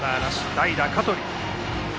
代打・香取。